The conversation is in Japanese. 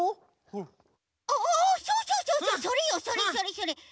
そうそうそうそうそれよそれそれそれ。